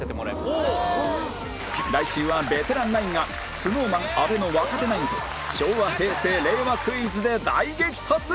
来週はベテランナインが ＳｎｏｗＭａｎ 阿部の若手ナインと昭和平成令和クイズで大激突